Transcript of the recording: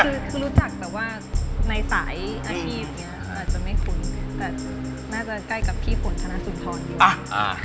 คือรู้จักแบบว่าในสายอาชีพอย่างนี้อาจจะไม่คุ้นแต่น่าจะใกล้กับพี่ฝนธนสุนทรอยู่ป่ะ